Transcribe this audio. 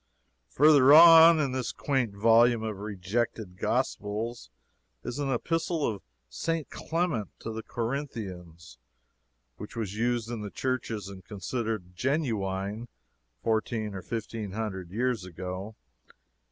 Further on in this quaint volume of rejected gospels is an epistle of St. Clement to the Corinthians, which was used in the churches and considered genuine fourteen or fifteen hundred years ago.